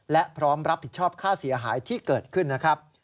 และพร้อมรับผิดชอบค่าเสียหายที่เกิดขึ้นนะครับ